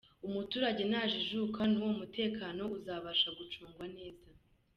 Umuturage najijuka n’uwo mutekano uzabasha gucungwa neza.